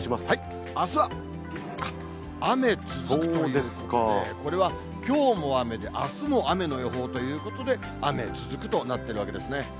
あすは、雨続くということで、これはきょうも雨で、あすも雨の予報ということで、雨続くとなってるわけですね。